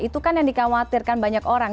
itu kan yang dikhawatirkan banyak orang